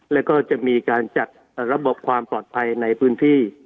แล้วก็จะมีการจัดระบบความปลอดภัยในพื้นที่